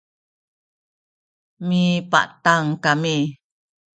mipantang kami